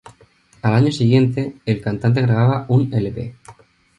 Al año siguiente, el cantante grababa un l.p.